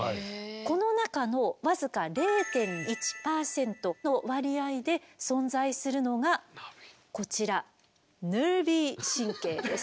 この中の僅か０．１％の割合で存在するのがこちらｎｅｒｖｙ神経です。